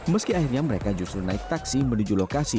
meski akhirnya mereka justru naik taksi menuju lokasi